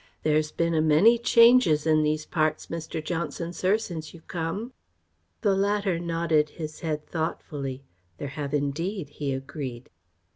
There's been a many changes in these parts, Mr. Johnson, sir, since you've come." The latter nodded his head thoughtfully. "There have indeed," he agreed.